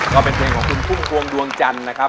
ก็เป็นเพลงของคุณพุ่มพวงดวงจันทร์นะครับ